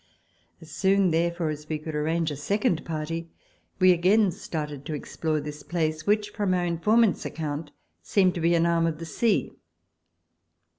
As soon therefore as we could arrange a second party, we again started to explore this place, which, from our informant's account, seemed to be an arm of the sea.